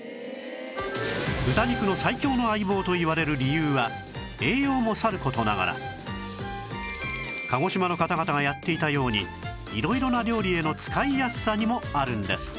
豚肉の最強の相棒といわれる理由は栄養もさる事ながら鹿児島の方々がやっていたように色々な料理への使いやすさにもあるんです